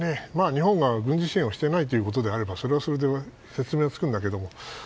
日本が軍事支援をしてないということならそれはそれで説明がつくんだけど。